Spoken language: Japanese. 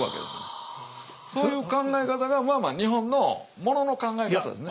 そういう考え方が日本のものの考え方ですね。